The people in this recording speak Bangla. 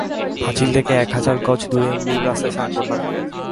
পাঁচিল থেকে এক হাজার গজ দূরে মূল রাস্তায় সাইনবোর্ড লাগানো।